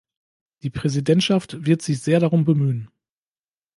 Die Präsidentschaft wird sich sehr darum bemühen.